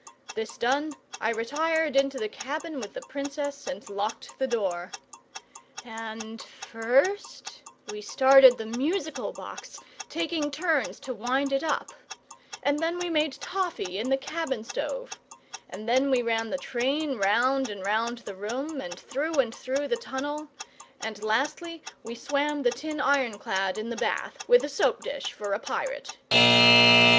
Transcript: This done, I retired into the cabin with the Princess, and locked the door. And first we started the musical box, taking turns to wind it up; and then we made toffee in the cabin stove; and then we ran the train round and round the room, and through and through the tunnel; and lastly we swam the tin ironclad in the bath, with the soap dish for a pirate.